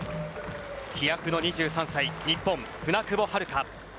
飛躍の２３歳、日本の舟久保遥香。